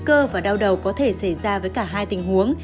cơ và đau đầu có thể xảy ra với cả hai tình huống